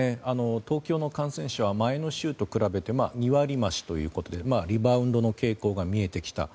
東京の感染者は前の週と比べて２割増しということでリバウンドの傾向が見えてきた。